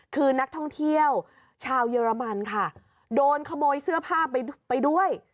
คือนักท่องเที่ยวชาวเยอรมันค่ะโดนขโมยเสื้อผ้าไปไปด้วย